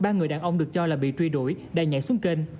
ba người đàn ông được cho là bị truy đuổi đang nhảy xuống kênh